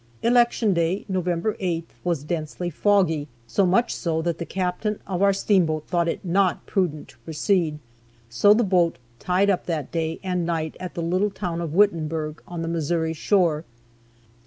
Election day, November 8th, was densely foggy, so much so that the captain of our steamboat thought it not prudent to proceed, so the boat tied up that day and night at the little town of Wittenburg, on the Missouri shore.